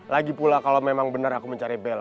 lagi pula kalau memang bener aku mencari bella